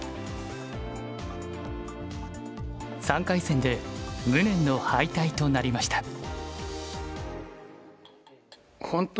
３回戦で無念の敗退となりました。